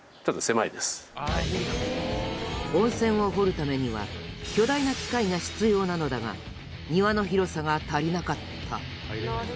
温泉を掘るためには巨大な機械が必要なのだが庭の広さが足りなかった。